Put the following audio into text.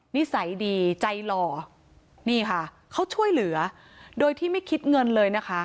นิสัยดีใจหล่อนี่ค่ะเขาช่วยเหลือโดยที่ไม่คิดเงินเลยนะคะ